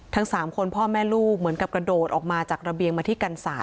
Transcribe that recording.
ทั้ง๓คนพ่อแม่ลูกเหมือนกับกระโดดออกมาจากระเบียงมาที่กันศาส